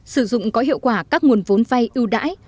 sử dụng có hiệu quả các nguồn vốn vay ưu đãi